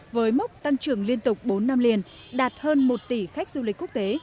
với mức tăng trưởng liên tục bốn năm liền đạt hơn một tỷ khách du lịch quốc tế